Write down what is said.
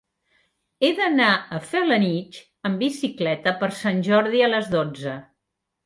He d'anar a Felanitx amb bicicleta per Sant Jordi a les dotze.